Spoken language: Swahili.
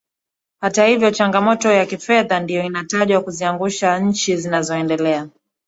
Hata hivyo changamoto ya kifedha ndio inatajwa kuziangusha nchi zinazoendelea